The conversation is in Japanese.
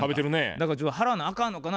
だから「自分払わなあかんのかな？」